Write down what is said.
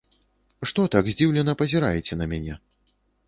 Што так здзіўлена пазіраеце на мяне?